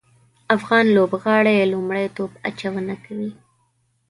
افغان لوبغاړي لومړی توپ اچونه کوي